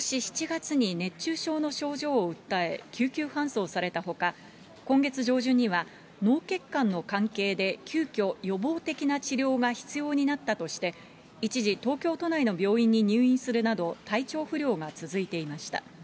細田議長はことし７月に熱中症の症状を訴え、救急搬送されたほか、今月上旬には、脳血管の関係で急きょ、予防的な治療が必要になったとして、一時、東京都内の病院に入院するなど、体調不良が続いていました。